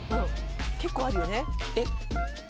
結構あるよね。